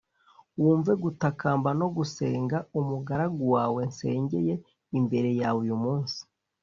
wumve gutakamba no gusenga umugaragu wawe nsengeye imbere yawe uyu munsi